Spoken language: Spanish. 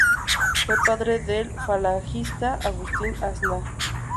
Fue padre del falangista Agustín Aznar.